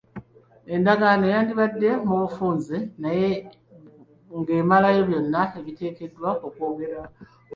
Endagaano yandibadde mu bufunze naye ng'emalayo byonna ebiteekeddwa okwogerwako.